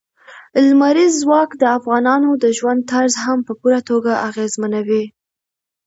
لمریز ځواک د افغانانو د ژوند طرز هم په پوره توګه اغېزمنوي.